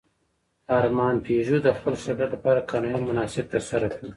ارمان پيژو د خپل شرکت لپاره قانوني مناسک ترسره کړل.